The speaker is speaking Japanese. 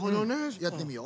やってみよう。